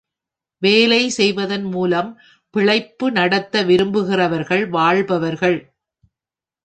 வேலை செய்வதன் மூலம் பிழைப்பு நடத்த விரும்புகிறவர்கள் வாழ்பவர்கள்.